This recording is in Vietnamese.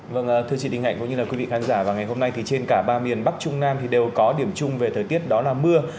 vâng thưa chị đinh hạnh cũng như là quý vị khán giả vào ngày hôm nay thì trên cả ba miền bắc trung nam thì đều có điểm chung về thời tiết đó là mưa